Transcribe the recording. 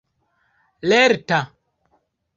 lerta